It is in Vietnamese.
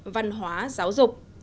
văn hóa giáo dục